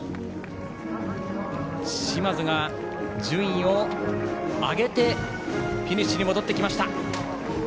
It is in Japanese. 嶋津が順位を上げてフィニッシュに戻ってきました。